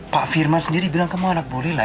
pak firman sendiri bilang kamu anak bu lila